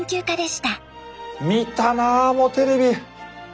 見たなもうテレビ。